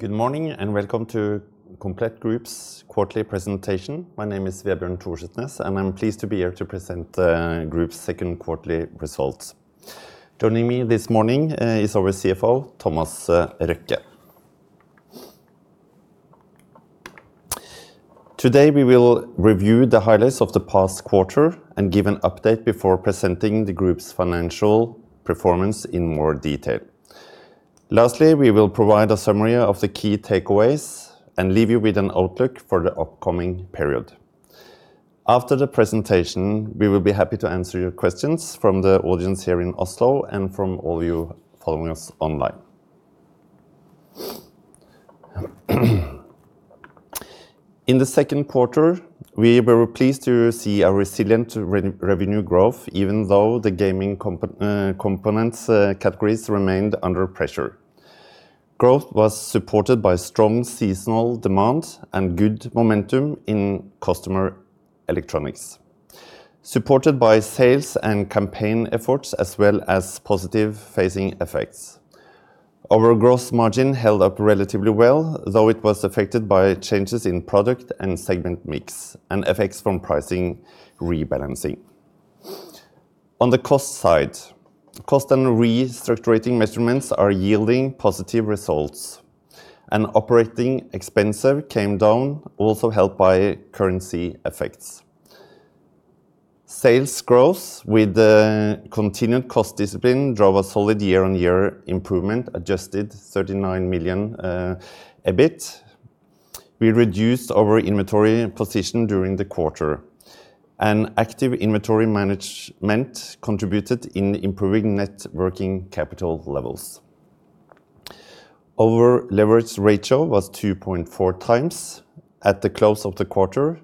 Good morning, welcome to Komplett Group's quarterly presentation. My name is Vebjørn Torsetnes, and I'm pleased to be here to present the group's second quarterly results. Joining me this morning is our CFO, Thomas Røkke. Today, we will review the highlights of the past quarter and give an update before presenting the group's financial performance in more detail. Lastly, we will provide a summary of the key takeaways and leave you with an outlook for the upcoming period. After the presentation, we will be happy to answer your questions from the audience here in Oslo and from all you following us online. In the second quarter, we were pleased to see a resilient revenue growth, even though the gaming components categories remained under pressure. Growth was supported by strong seasonal demand and good momentum in consumer electronics, supported by sales and campaign efforts, as well as positive phasing effects. Our gross margin held up relatively well, though it was affected by changes in product and segment mix and effects from pricing rebalancing. On the cost side, cost and restructuring measurements are yielding positive results, and operating expenses came down, also helped by currency effects. Sales growth with the continued cost discipline drove a solid year-on-year improvement, adjusted 39 million EBIT. We reduced our inventory position during the quarter. An active inventory management contributed in improving net working capital levels. Our leverage ratio was 2.4x at the close of the quarter,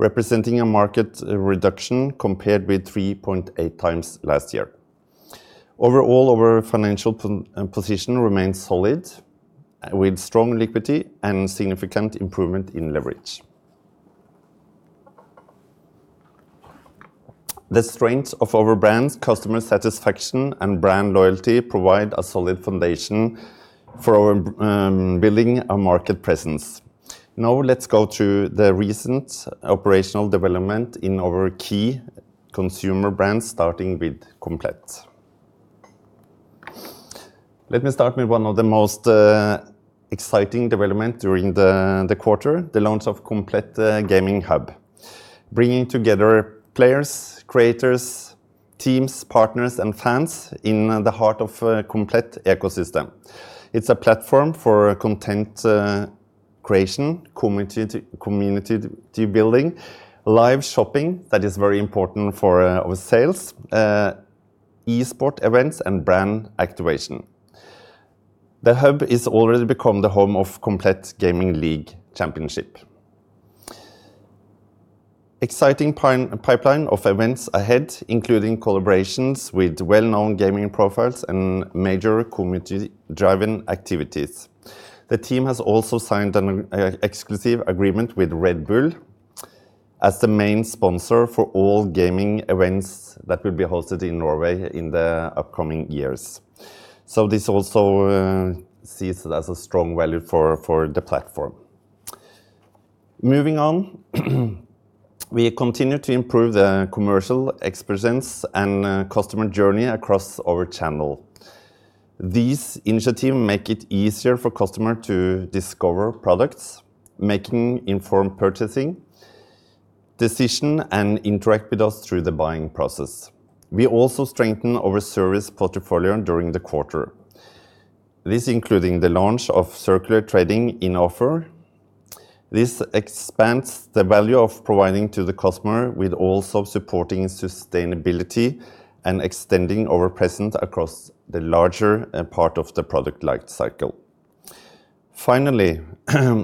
representing a market reduction compared with 3.8x last year. Overall, our financial position remains solid, with strong liquidity and significant improvement in leverage. The strength of our brands, customer satisfaction, and brand loyalty provide a solid foundation for building our market presence. Now let's go to the recent operational development in our key consumer brands, starting with Komplett. Let me start with one of the most exciting development during the quarter, the launch of Komplett Gaming Hub, bringing together players, creators, teams, partners, and fans in the heart of Komplett ecosystem. It's a platform for content creation, community building, live shopping that is very important for our sales, esports events, and brand activation. The hub has already become the home of Komplett Gaming League Championship. Exciting pipeline of events ahead, including collaborations with well-known gaming profiles and major community-driven activities. The team has also signed an exclusive agreement with Red Bull as the main sponsor for all gaming events that will be hosted in Norway in the upcoming years. This also serves as a strong value for the platform. Moving on, we continue to improve the commercial experience and customer journey across our channel. These initiatives make it easier for customers to discover products, making informed purchasing decisions, and interact with us through the buying process. We also strengthened our service portfolio during the quarter. This included the launch of circular trading in offer. This expands the value of providing to the customer while also supporting sustainability and extending our presence across the larger part of the product life cycle. Finally,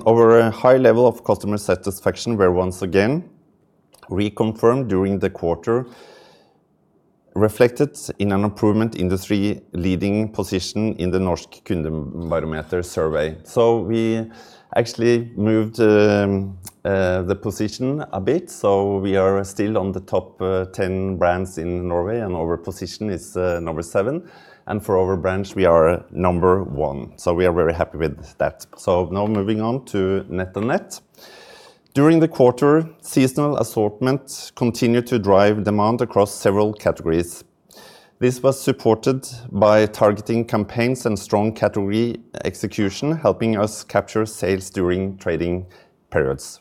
our high level of customer satisfaction was once again reconfirmed during the quarter, reflected in an improvement in the three leading positions in the Norsk Kundebarometer survey. We actually moved the position a bit. We are still on the top 10 brands in Norway, and our position is number seven, and for our branch, we are number one. We are very happy with that. Now moving on to NetOnNet. During the quarter, seasonal assortment continued to drive demand across several categories. This was supported by targeting campaigns and strong category execution, helping us capture sales during trading periods.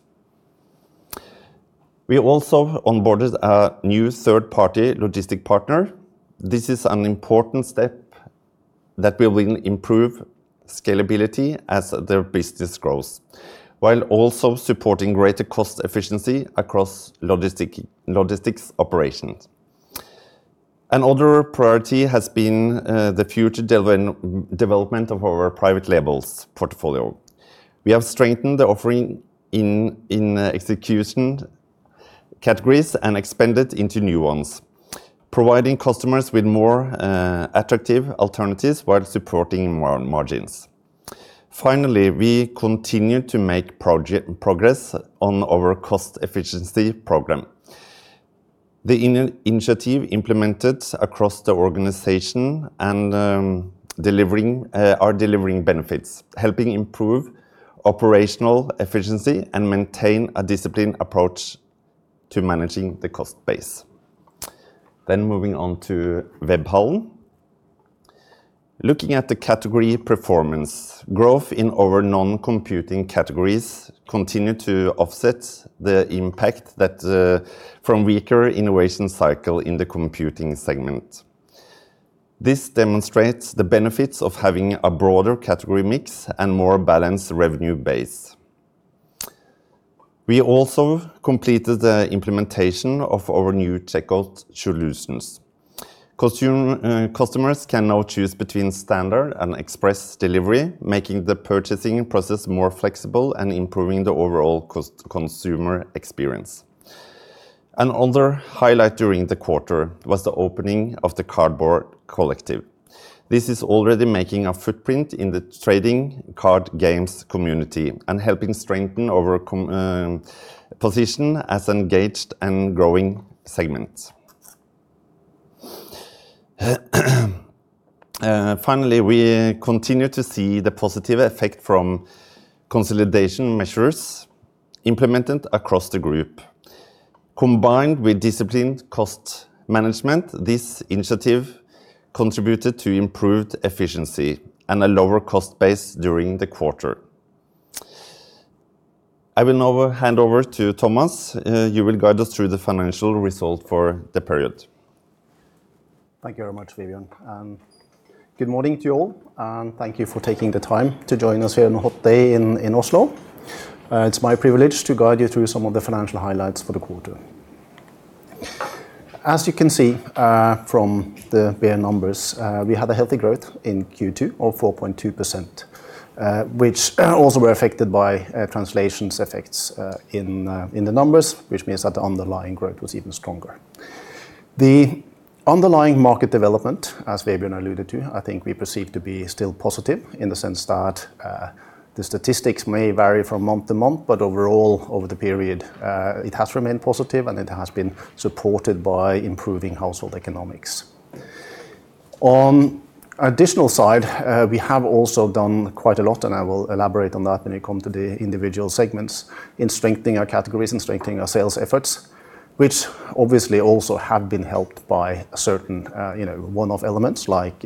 We also onboarded a new third-party logistics partner. This is an important step that will improve scalability as their business grows, while also supporting greater cost efficiency across logistics operations. Another priority has been the future development of our private labels portfolio. We have strengthened the offering in execution categories and expanded into new ones, providing customers with more attractive alternatives while supporting margins. Finally, we continue to make progress on our cost efficiency program. The initiative implemented across the organization are delivering benefits, helping improve operational efficiency and maintain a disciplined approach to managing the cost base. Moving on to Webhallen. Looking at the category performance, growth in our non-computing categories continued to offset the impact from weaker innovation cycle in the computing segment. This demonstrates the benefits of having a broader category mix and more balanced revenue base. We also completed the implementation of our new checkout solutions. Customers can now choose between standard and express delivery, making the purchasing process more flexible and improving the overall consumer experience. Another highlight during the quarter was the opening of the Cardboard Collective. This is already making a footprint in the trading card games community and helping strengthen our position as engaged and growing segment. Finally, we continue to see the positive effect from consolidation measures implemented across the group. Combined with disciplined cost management, this initiative contributed to improved efficiency and a lower cost base during the quarter. I will now hand over to Thomas. You will guide us through the financial result for the period. Thank you very much, Vebjørn. Good morning to you all, and thank you for taking the time to join us here on a hot day in Oslo. It's my privilege to guide you through some of the financial highlights for the quarter. As you can see from the bare numbers, we had a healthy growth in Q2 of 4.2%, which also were affected by translation effects in the numbers, which means that the underlying growth was even stronger. The underlying market development, as Vebjørn alluded to, I think we perceive to be still positive in the sense that the statistics may vary from month to month, but overall, over the period, it has remained positive, and it has been supported by improving household economics. On additional side, we have also done quite a lot, and I will elaborate on that when we come to the individual segments in strengthening our categories and strengthening our sales efforts, which obviously also have been helped by certain one-off elements like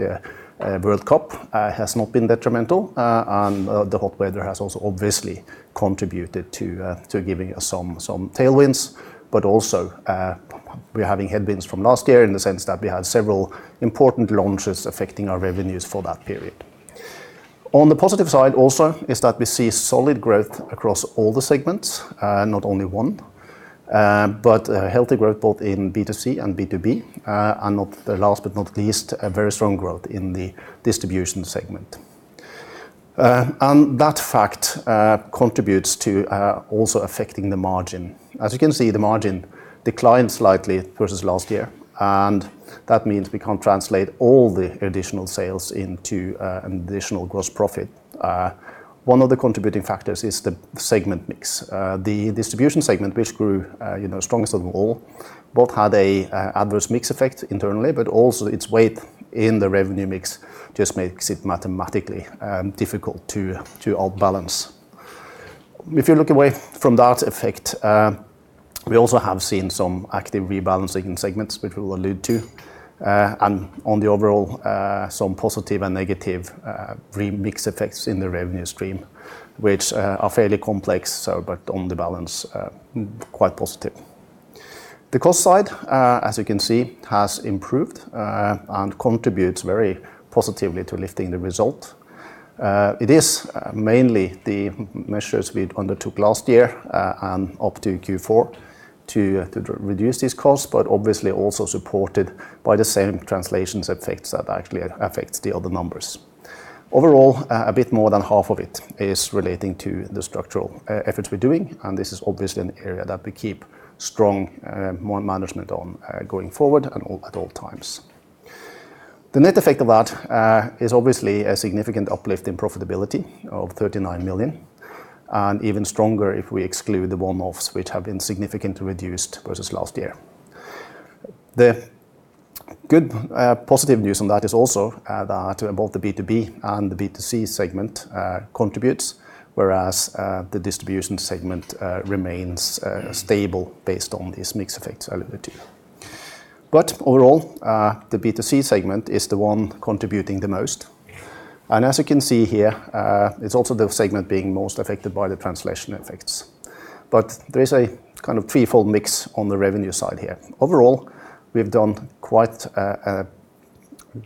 World Cup, has not been detrimental. The hot weather has also obviously contributed to giving us some tailwinds. We're having headwinds from last year in the sense that we had several important launches affecting our revenues for that period. On the positive side also is that we see solid growth across all the segments, not only one, but healthy growth both in B2C and B2B, and last but not least, a very strong growth in the distribution segment. That fact contributes to also affecting the margin. As you can see, the margin declined slightly versus last year, and that means we can't translate all the additional sales into an additional gross profit. One of the contributing factors is the segment mix. The distribution segment, which grew strongest of all, both had an adverse mix effect internally, but also its weight in the revenue mix just makes it mathematically difficult to outbalance. If you look away from that effect, we also have seen some active rebalancing segments, which we will allude to. On the overall, some positive and negative remix effects in the revenue stream, which are fairly complex, but on the balance, quite positive. The cost side, as you can see, has improved and contributes very positively to lifting the result. It is mainly the measures we undertook last year and up to Q4 to reduce these costs, but obviously also supported by the same translations effects that actually affects the other numbers. Overall, a bit more than half of it is relating to the structural efforts we're doing, and this is obviously an area that we keep strong management on going forward and at all times. The net effect of that is obviously a significant uplift in profitability of 39 million, and even stronger if we exclude the one-offs which have been significantly reduced versus last year. The good positive news on that is also that both the B2B and the B2C segment contributes, whereas the distribution segment remains stable based on these mix effects I alluded to you. Overall, the B2C segment is the one contributing the most. As you can see here, it's also the segment being most affected by the translation effects. There is a kind of threefold mix on the revenue side here. Overall, we've done quite a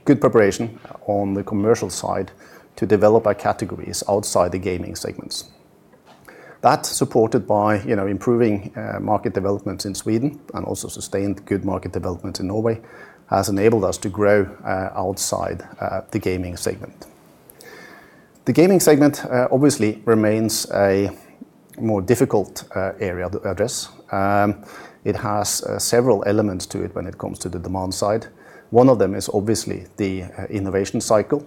good preparation on the commercial side to develop our categories outside the gaming segments. That's supported by improving market development in Sweden and also sustained good market development in Norway has enabled us to grow outside the gaming segment. The gaming segment obviously remains a more difficult area to address. It has several elements to it when it comes to the demand side. One of them is obviously the innovation cycle,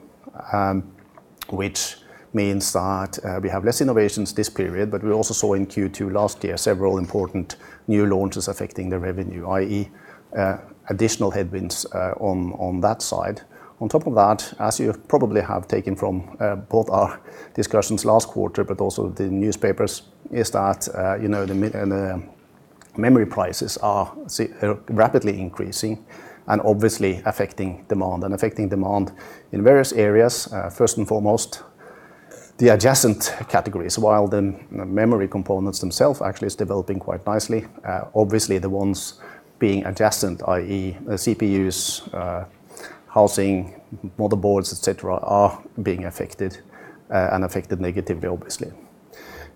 which means that we have less innovations this period, but we also saw in Q2 last year several important new launches affecting the revenue, i.e., additional headwinds on that side. On top of that, as you probably have taken from both our discussions last quarter, but also the newspapers, is that the memory prices are rapidly increasing and obviously affecting demand. Affecting demand in various areas. First and foremost, the adjacent categories, while the memory components themselves actually is developing quite nicely. Obviously, the ones being adjacent, i.e., CPUs, housing, motherboards, et cetera, are being affected, and affected negatively, obviously.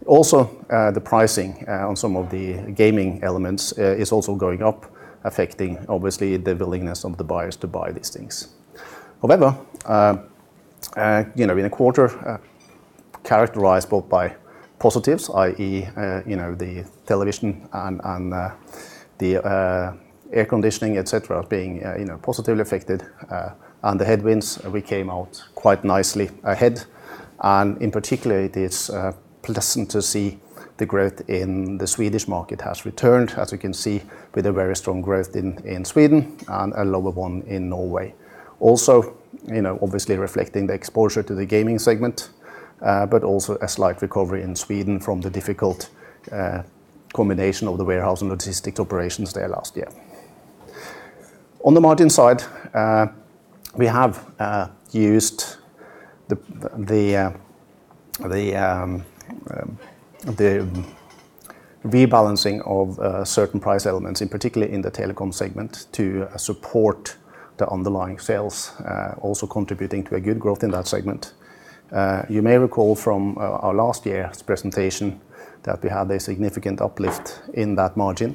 The pricing on some of the gaming elements is also going up, affecting obviously the willingness of the buyers to buy these things. However, in a quarter characterized both by positives, i.e., the television and the air conditioning, et cetera, being positively affected, and the headwinds, we came out quite nicely ahead. In particular, it is pleasant to see the growth in the Swedish market has returned, as you can see, with a very strong growth in Sweden and a lower one in Norway. Obviously reflecting the exposure to the gaming segment, but also a slight recovery in Sweden from the difficult combination of the warehouse and logistics operations there last year. On the margin side, we have used the rebalancing of certain price elements, in particular in the telecom segment, to support the underlying sales, also contributing to a good growth in that segment. You may recall from our last year's presentation that we had a significant uplift in that margin,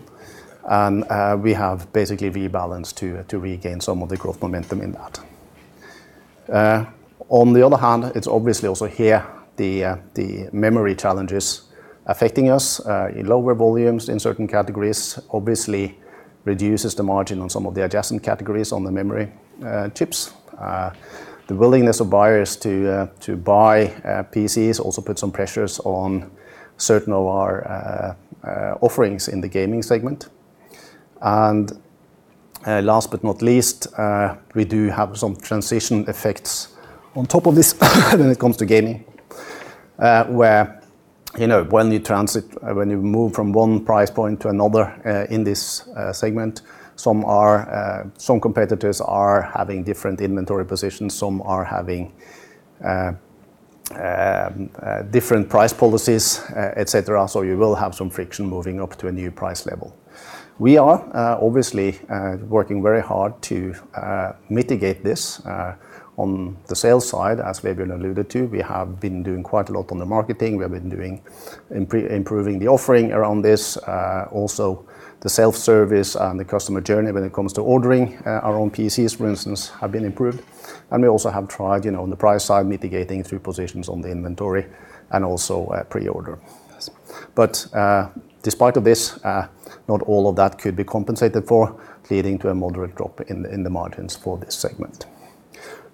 and we have basically rebalanced to regain some of the growth momentum in that. On the other hand, it's obviously also here the memory challenges affecting us in lower volumes in certain categories obviously reduces the margin on some of the adjacent categories on the memory chips. The willingness of buyers to buy PCs also put some pressures on certain of our offerings in the gaming segment. Last but not least, we do have some transition effects on top of this when it comes to gaming, where when you move from one price point to another in this segment, some competitors are having different inventory positions, some are having different price policies, et cetera. You will have some friction moving up to a new price level. We are obviously working very hard to mitigate this. On the sales side, as Vebjørn alluded to, we have been doing quite a lot on the marketing. We have been improving the offering around this. The self-service and the customer journey when it comes to ordering our own PCs, for instance, have been improved. We also have tried, on the price side, mitigating through positions on the inventory and also pre-order. Despite of this, not all of that could be compensated for, leading to a moderate drop in the margins for this segment.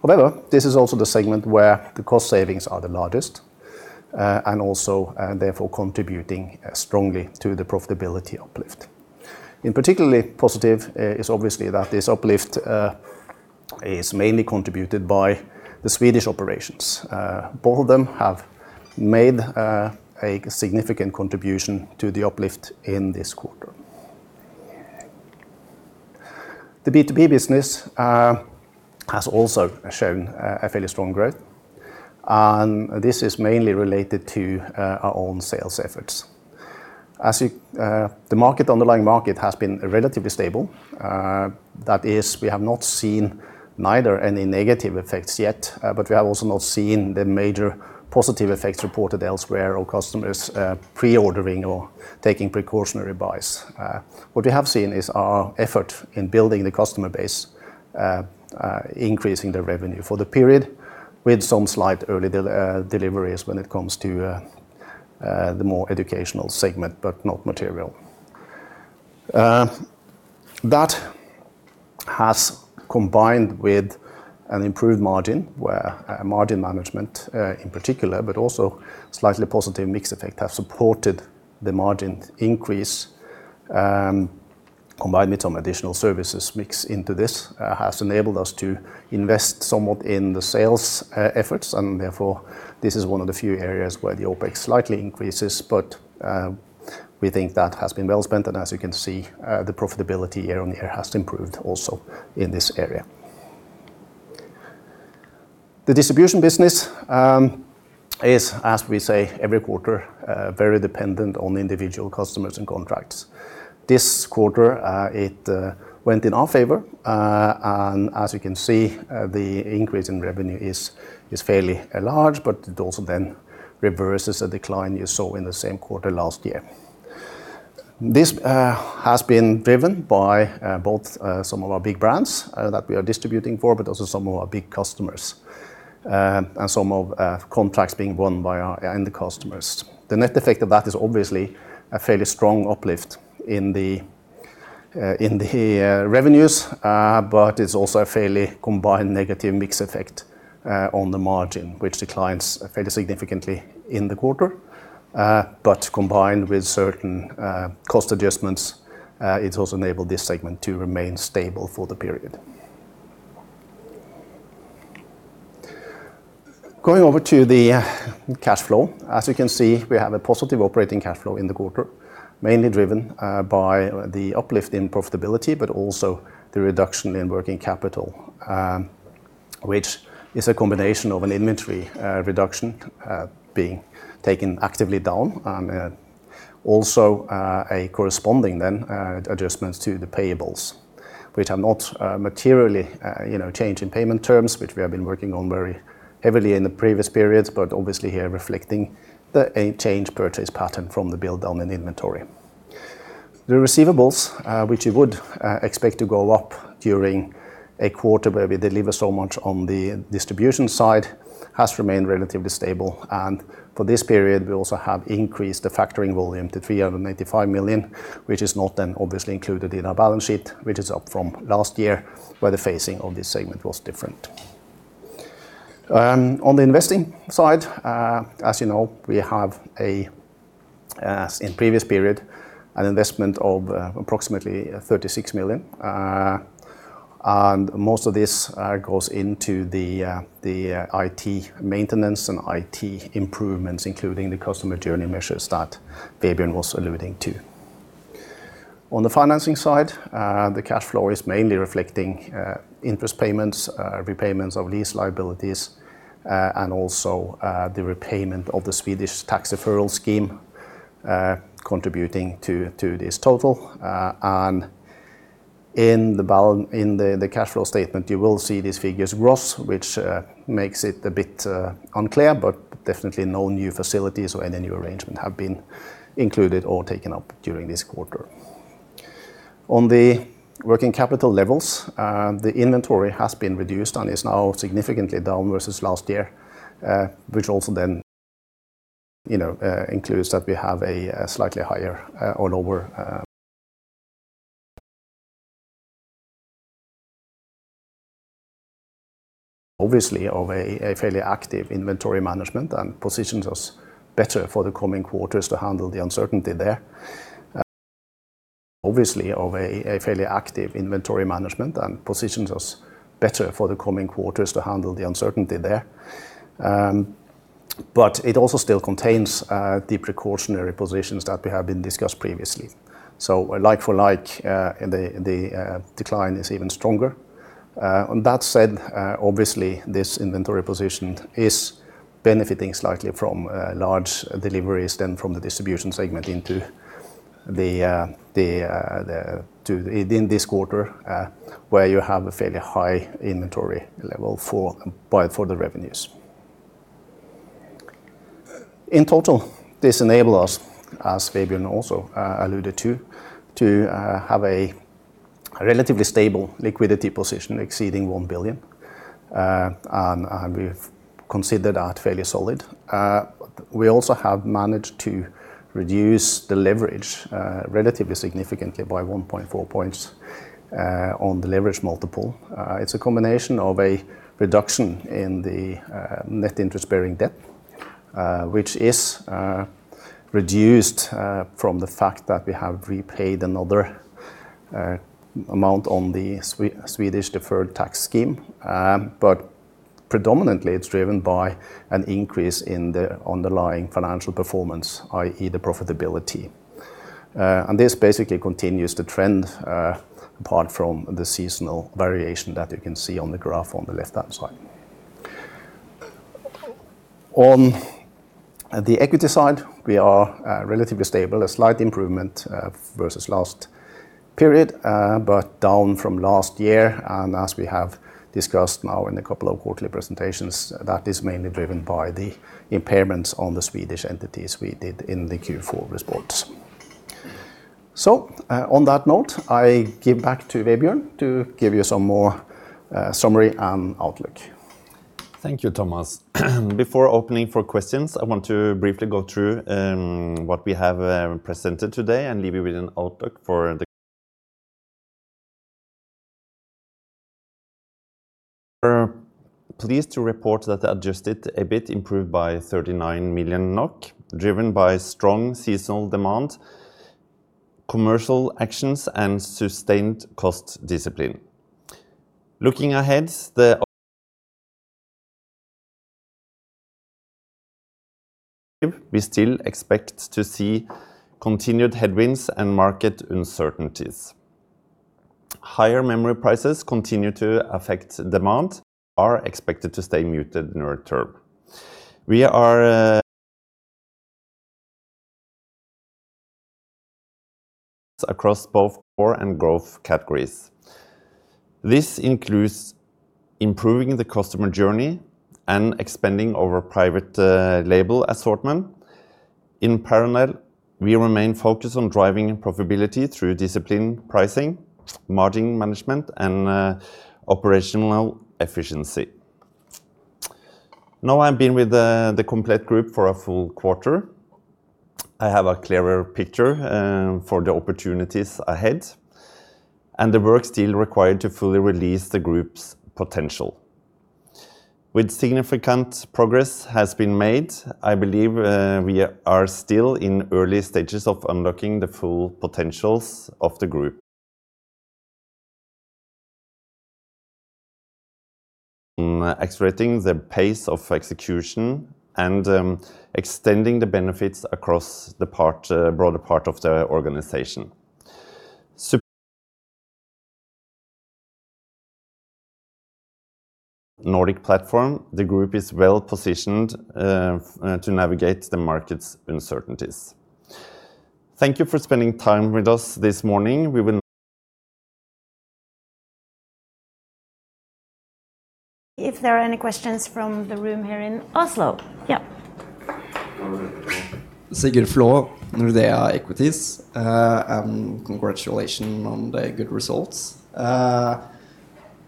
However, this is also the segment where the cost savings are the largest, and also therefore contributing strongly to the profitability uplift. In particularly positive is obviously that this uplift is mainly contributed by the Swedish operations. Both of them have made a significant contribution to the uplift in this quarter. The B2B business has also shown a fairly strong growth, this is mainly related to our own sales efforts. The underlying market has been relatively stable. We have not seen neither any negative effects yet, but we have also not seen the major positive effects reported elsewhere, or customers pre-ordering or taking precautionary buys. What we have seen is our effort in building the customer base, increasing the revenue for the period with some slight early deliveries when it comes to the more educational segment, but not material. That has combined with an improved margin, where margin management in particular, but also slightly positive mix effect, have supported the margin increase. Combined with some additional services mix into this has enabled us to invest somewhat in the sales efforts, therefore, this is one of the few areas where the OpEx slightly increases. We think that has been well spent, and as you can see, the profitability year-on-year has improved also in this area. The distribution business is, as we say every quarter, very dependent on individual customers and contracts. This quarter, it went in our favor. As you can see, the increase in revenue is fairly large, but it also then reverses a decline you saw in the same quarter last year. This has been driven by both some of our big brands that we are distributing for, but also some of our big customers and some of contracts being won by our end customers. The net effect of that is obviously a fairly strong uplift in the revenues, but it's also a fairly combined negative mix effect on the margin, which declines fairly significantly in the quarter. Combined with certain cost adjustments, it's also enabled this segment to remain stable for the period. Going over to the cash flow. As you can see, we have a positive operating cash flow in the quarter, mainly driven by the uplift in profitability, but also the reduction in working capital, which is a combination of an inventory reduction being taken actively down, and also a corresponding then adjustments to the payables, which are not materially change in payment terms, which we have been working on very heavily in the previous periods, but obviously here reflecting a change purchase pattern from the build-down in inventory. The receivables, which you would expect to go up during a quarter where we deliver so much on the distribution side, has remained relatively stable. For this period, we also have increased the factoring volume to 385 million, which is not then obviously included in our balance sheet, which is up from last year, where the phasing of this segment was different. On the investing side, as you know, we have in previous period, an investment of approximately 36 million. Most of this goes into the IT maintenance and IT improvements, including the customer journey measures that Vebjørn was alluding to. On the financing side, the cash flow is mainly reflecting interest payments, repayments of lease liabilities, and also the repayment of the Swedish tax referral scheme contributing to this total. In the cash flow statement, you will see these figures gross, which makes it a bit unclear, but definitely no new facilities or any new arrangement have been included or taken up during this quarter. On the working capital levels, the inventory has been reduced and is now significantly down versus last year, which also then includes that we have a slightly higher or lower of a fairly active inventory management and positions us better for the coming quarters to handle the uncertainty there. It also still contains the precautionary positions that we have been discussed previously. Like for like, the decline is even stronger. That said, obviously, this inventory position is benefiting slightly from large deliveries than from the distribution segment into in this quarter, where you have a fairly high inventory level for the revenues. In total, this enable us, as Vebjørn also alluded to have a relatively stable liquidity position exceeding 1 billion. We've considered that fairly solid. We also have managed to reduce the leverage relatively significantly by 1.4 points on the leverage multiple. It's a combination of a reduction in the net interest-bearing debt, which is reduced from the fact that we have repaid another amount on the Swedish deferred tax scheme. But predominantly, it's driven by an increase in the underlying financial performance, i.e., the profitability. And this basically continues to trend apart from the seasonal variation that you can see on the graph on the left-hand side. On the equity side, we are relatively stable, a slight improvement versus last period, but down from last year. And as we have discussed now in a couple of quarterly presentations, that is mainly driven by the impairments on the Swedish entities we did in the Q4 reports. On that note, I give back to Vebjørn to give you some more summary and outlook. Thank you, Thomas. Before opening for questions, I want to briefly go through what we have presented today and leave you with an outlook for the We're pleased to report that the adjusted EBIT improved by 39 million NOK, driven by strong seasonal demand, commercial actions, and sustained cost discipline. Looking ahead, the We still expect to see continued headwinds and market uncertainties. Higher memory prices continue to affect demand are expected to stay muted near-term. We are across both core and growth categories. This includes improving the customer journey and expanding our private label assortment. In parallel, we remain focused on driving profitability through disciplined pricing, margin management, and operational efficiency. Now I've been with the Komplett Group for a full quarter. I have a clearer picture for the opportunities ahead and the work still required to fully release the group's potential. While significant progress has been made, I believe we are still in early stages of unlocking the full potentials of the group. In accelerating the pace of execution and extending the benefits across the broader part of the organization. Nordic Platform, the group is well-positioned to navigate the market's uncertainties. Thank you for spending time with us this morning. If there are any questions from the room here in Oslo. Sigurd Flaa, Nordea Equities. Congratulations on the good results.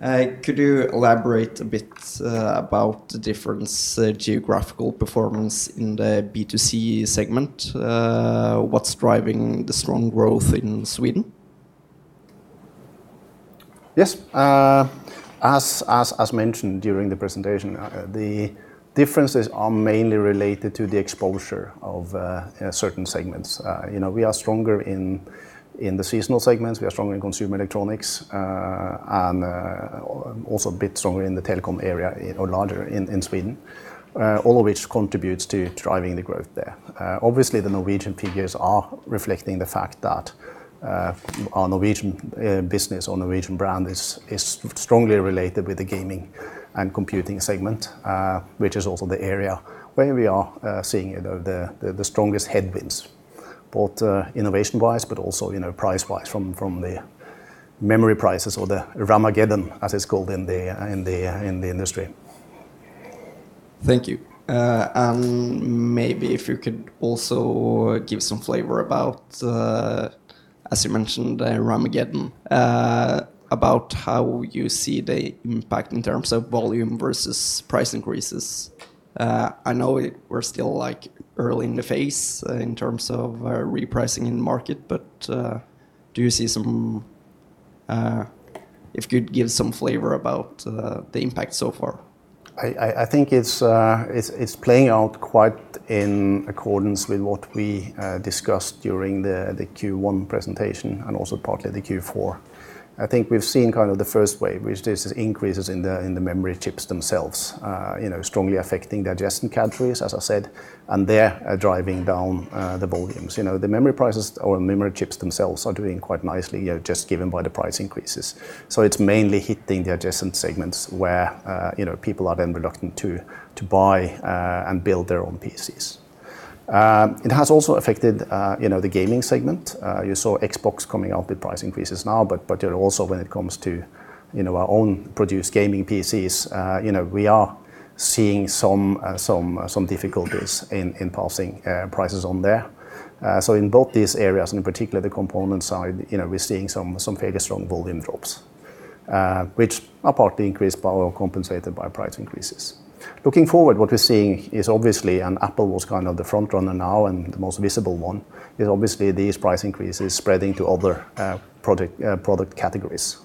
Could you elaborate a bit about the difference geographical performance in the B2C segment? What's driving the strong growth in Sweden? Yes. As mentioned during the presentation, the differences are mainly related to the exposure of certain segments. We are stronger in the seasonal segments. We are stronger in consumer electronics, and also a bit stronger in the telecom area or larger in Sweden. All of which contributes to driving the growth there. Obviously, the Norwegian figures are reflecting the fact that our Norwegian business, our Norwegian brand, is strongly related with the gaming and computing segment, which is also the area where we are seeing the strongest headwinds, both innovation-wise, but also price-wise from the memory prices or the RAMageddon, as it's called in the industry. Thank you. Maybe if you could also give some flavor about, as you mentioned, the RAMageddon, about how you see the impact in terms of volume versus price increases? I know we're still early in the phase in terms of repricing in the market, but if you'd give some flavor about the impact so far. I think it's playing out quite in accordance with what we discussed during the Q1 presentation, and also partly the Q4. I think we've seen kind of the first wave, which this increases in the memory chips themselves strongly affecting the adjacent countries, as I said, and they're driving down the volumes. The memory prices or memory chips themselves are doing quite nicely, just given by the price increases. It's mainly hitting the adjacent segments where people are then reluctant to buy and build their own PCs. It has also affected the gaming segment. You saw Xbox coming out with price increases now, but also when it comes to our own produced gaming PCs. We are seeing some difficulties in passing prices on there. In both these areas, and in particular the component side, we're seeing some fairly strong volume drops, which are partly increased by or compensated by price increases. Looking forward, what we're seeing is obviously, and Apple was kind of the frontrunner now and the most visible one, is obviously these price increases spreading to other product categories.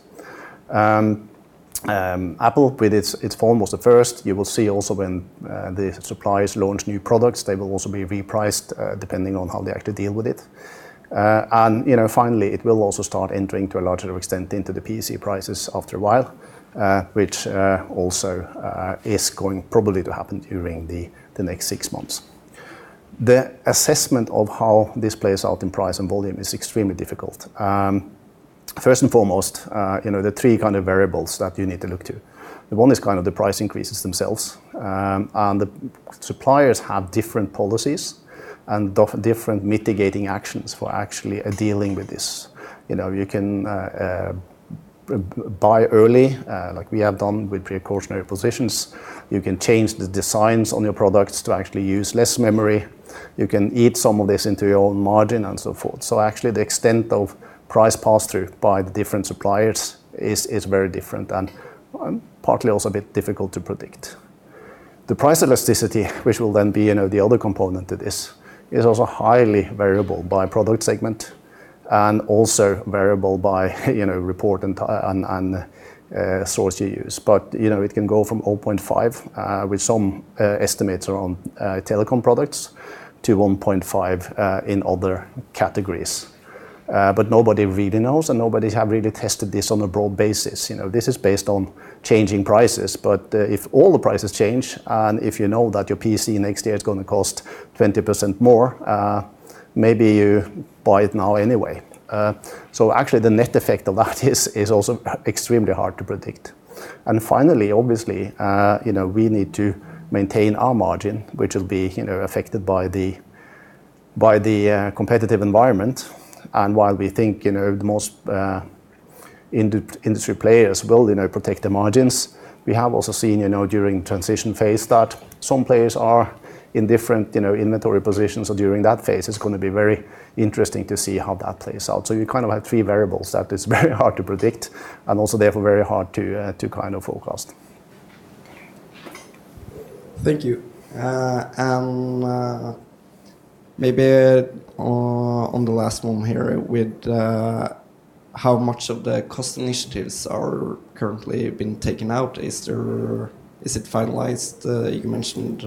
Apple, with its phone, was the first. You will see also when the suppliers launch new products, they will also be repriced, depending on how they actually deal with it. Finally, it will also start entering to a larger extent into the PC prices after a while, which also is going probably to happen during the next six months. The assessment of how this plays out in price and volume is extremely difficult. First and foremost, the three kind of variables that you need to look to. The one is kind of the price increases themselves, and the suppliers have different policies and different mitigating actions for actually dealing with this. You can buy early, like we have done with precautionary positions. You can change the designs on your products to actually use less memory. You can eat some of this into your own margin, and so forth. Actually, the extent of price pass-through by the different suppliers is very different and partly also a bit difficult to predict. The price elasticity, which will then be the other component to this, is also highly variable by product segment and also variable by report and source you use. It can go from 0.5 with some estimates around telecom products to 1.5 in other categories. Nobody really knows, and nobody have really tested this on a broad basis. This is based on changing prices, if all the prices change, and if you know that your PC next year is going to cost 20% more, maybe you buy it now anyway. Actually, the net effect of that is also extremely hard to predict. Finally, obviously we need to maintain our margin, which will be affected by the competitive environment. While we think the most industry players will protect their margins, we have also seen during transition phase that some players are in different inventory positions during that phase. It's going to be very interesting to see how that plays out. You have three variables that is very hard to predict and also therefore very hard to forecast. Thank you. Maybe on the last one here with how much of the cost initiatives are currently been taken out. Is it finalized? You mentioned.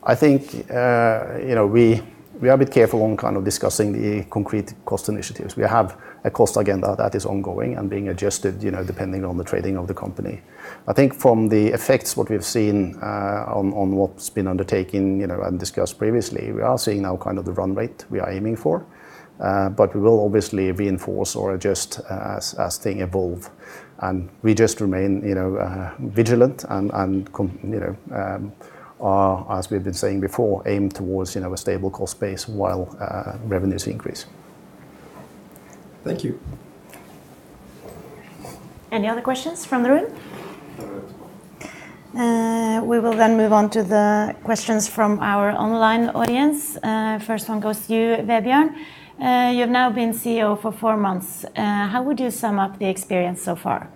I think we are a bit careful on discussing the concrete cost initiatives. We have a cost agenda that is ongoing and being adjusted depending on the trading of the company. I think from the effects what we've seen on what's been undertaken and discussed previously, we are seeing now the run rate we are aiming for. We will obviously reinforce or adjust as things evolve, and we just remain vigilant and, as we've been saying before, aim towards a stable cost base while revenues increase. Thank you. Any other questions from the room? No. We will move on to the questions from our online audience. First one goes to you, Vebjørn. You've now been CEO for four months. How would you sum up the experience so far?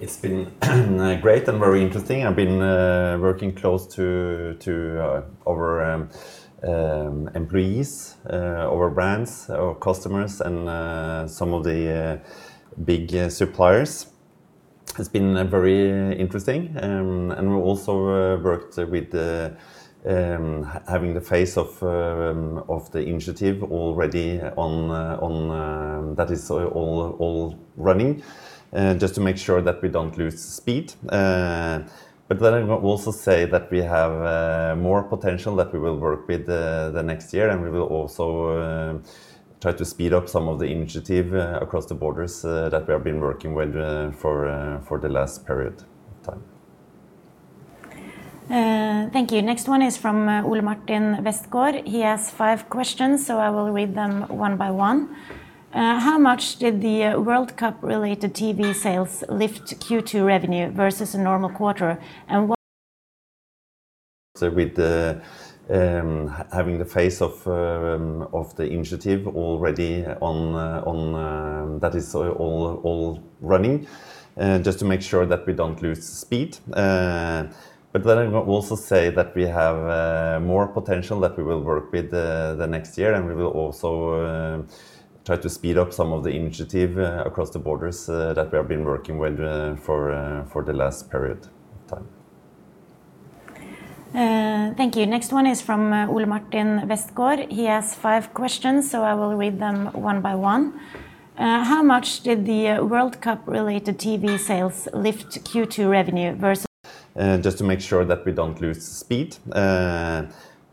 It's been great and very interesting. I've been working close to our employees, our brands, our customers, and some of the big suppliers. It's been very interesting. We also worked with having the phase of the initiative already that is all running, just to make sure that we don't lose speed. Let me also say that we have more potential that we will work with the next year, and we will also try to speed up some of the initiative across the borders that we have been working with for the last period of time. Thank you. Next one is from Ole Martin Westgaard. He has five questions. I will read them one by one. How much did the World Cup related TV sales lift Q2 revenue versus a normal quarter and what- With having the phase of the initiative already that is all running, just to make sure that we don't lose speed. Let me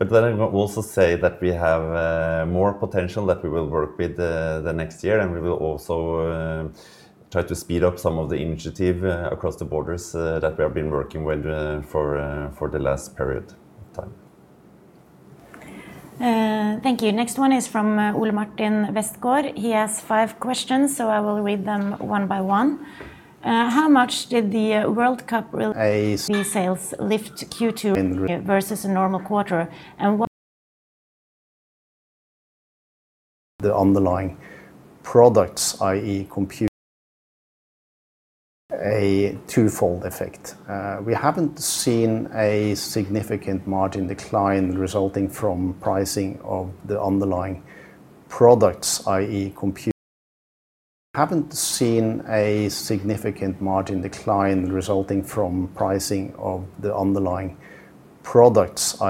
also say that we have more potential that we will work with the next year, and we will also try to speed up some of the initiative across the borders that we have been working with for the last period of time. Thank you. Next one is from Ole Martin Westgaard. He has five questions. I will read them one by one. How much did the World Cup related TV sales lift Q2 revenue versus a normal quarter and what- The underlying products, i.e., compute- a twofold effect. We haven't seen a significant margin decline resulting from pricing of the underlying products, i.e., compute-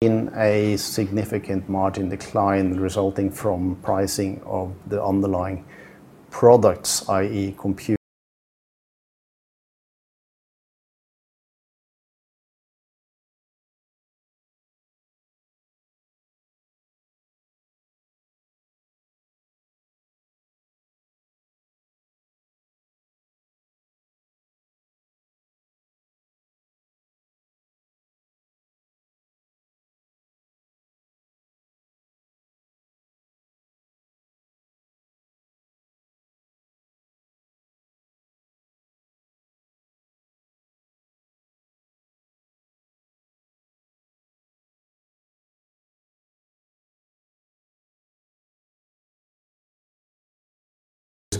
Is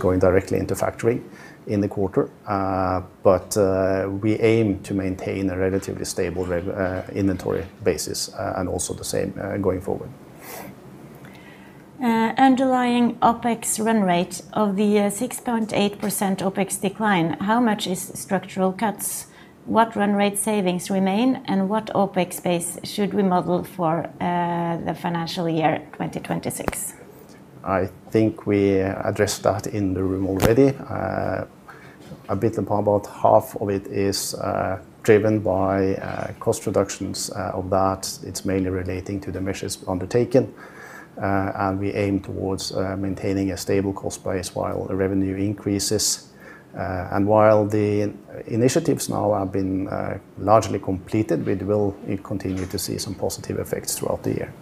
going directly into factory in the quarter. We aim to maintain a relatively stable inventory basis, and also the same going forward. Underlying OpEx run rate of the 6.8% OpEx decline, how much is structural cuts? What run rate savings remain, and what OpEx base should we model for the financial year 2026? I think we addressed that in the room already. A bit about half of it is driven by cost reductions. Of that, it's mainly relating to the measures undertaken. We aim towards maintaining a stable cost base while the revenue increases. While the initiatives now have been largely completed, we will continue to see some positive effects throughout the year.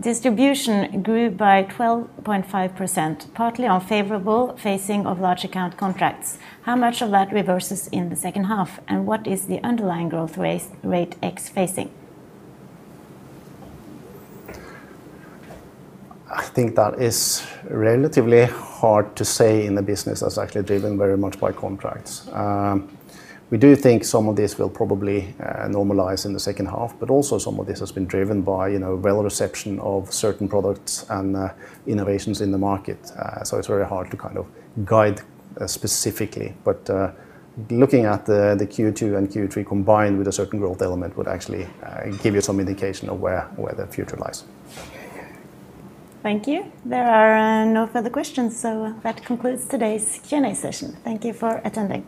Distribution grew by 12.5%, partly on favorable phasing of large account contracts. How much of that reverses in the second half, and what is the underlying growth rate ex phasing? I think that is relatively hard to say in the business that's actually driven very much by contracts. We do think some of this will probably normalize in the second half, but also some of this has been driven by well reception of certain products and innovations in the market. It's very hard to guide specifically, but looking at the Q2 and Q3 combined with a certain growth element would actually give you some indication of where the future lies. Thank you. There are no further questions, so that concludes today's Q&A session. Thank you for attending.